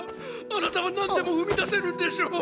あなたは何でも生み出せるんでしょう⁉